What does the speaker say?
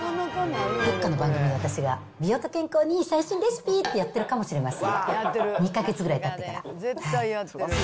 どっかの番組で、私が美容と健康にいい最新レシピって、やってるかもしれません。